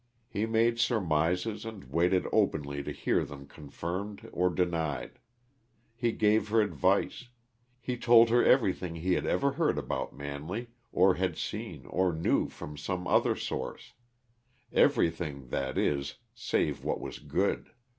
He made surmises and waited openly to hear them confirmed or denied; he gave her advice; he told her everything he had ever heard about Manley, or had seen or knew from some other source; everything, that is, save what was good.